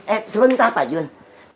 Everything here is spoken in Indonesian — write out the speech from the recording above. eh sebentar pak jun